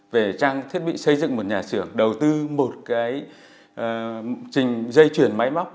về trang thiết bị xây dựng một nhà xưởng đầu tư một cái dây chuyển máy móc